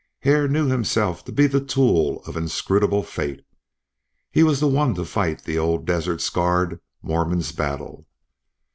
Hare knew himself to be the tool of inscrutable fate; he was the one to fight the old desert scarred Mormon's battle.